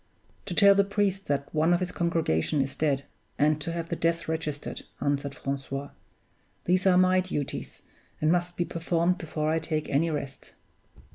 "To tell the priest that one of his congregation is dead, and to have the death registered," answered Francois. "These are my duties, and must be performed before I take any rest."